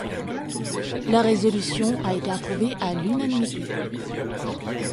La résolution a été approuvée à l'unanimité.